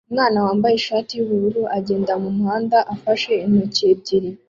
Umwana wambaye ishati yubururu agenda mumuhanda afashe intoki ebyiri